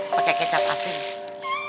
pake kecap asin